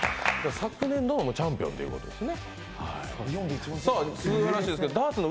昨年のチャンピオンということですね。